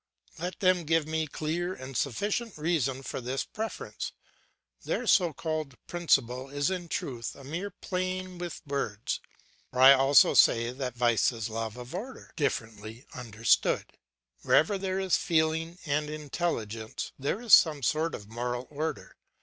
Let them give me clear and sufficient reason for this preference. Their so called principle is in truth a mere playing with words; for I also say that vice is love of order, differently understood. Wherever there is feeling and intelligence, there is some sort of moral order.